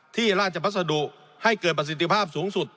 ที่ราชพัสดุให้เกิดประสิทธิภาพสูงสุด